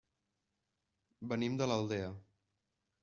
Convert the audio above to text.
Venim de l'Aldea.